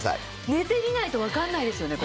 寝てみないとわからないですよねこれ。